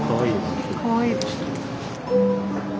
かわいいです。